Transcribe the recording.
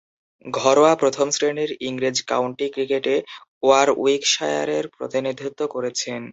ঘরোয়া প্রথম-শ্রেণীর ইংরেজ কাউন্টি ক্রিকেটে ওয়ারউইকশায়ারের প্রতিনিধিত্ব করেছেন।